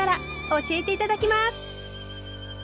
教えて頂きます。